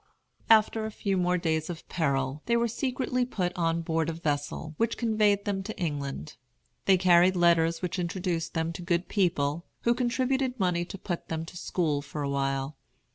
After a few more days of peril they were secretly put on board a vessel, which conveyed them to England. They carried letters which introduced them to good people, who contributed money to put them to school for a while.